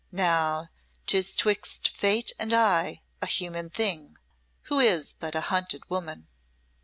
Now 'tis 'twixt Fate and I a human thing who is but a hunted woman."